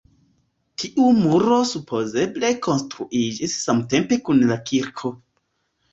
Tiu muro supozeble konstruiĝis samtempe kun la kirko.